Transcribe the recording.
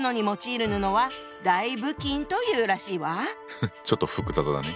フッちょっと複雑だね。